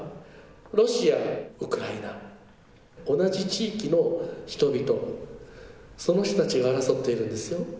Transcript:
ロシア、ウクライナ、同じ地域の人々、その人たちが争っているんですよ。